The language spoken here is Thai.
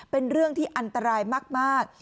เป็นเรื่องที่อันตรายมาก